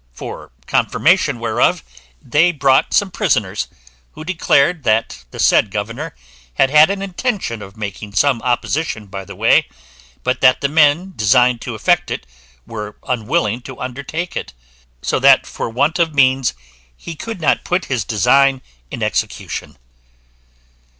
For confirmation whereof, they brought some prisoners, who declared that the said governor had had an intention of making some opposition by the way, but that the men designed to effect it were unwilling to undertake it: so that for want of means he could not put his design in execution.